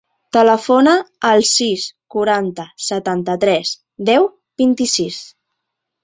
Telefona al sis, quaranta, setanta-tres, deu, vint-i-sis.